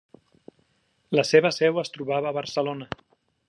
La seva seu es trobava a Barcelona.